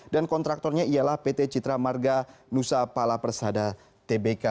kontraktornya ialah pt citra marga nusa pala persada tbk